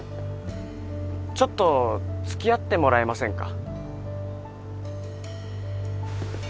ちょっと付き合ってもらえませんか？